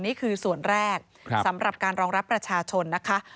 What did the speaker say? นี่คือส่วนแรกสำหรับการรองรับประชาชนนะคะ